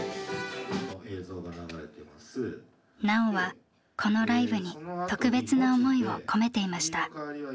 Ｎａｏ☆はこのライブに特別な思いを込めていました。